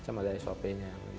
semacam ada sop nya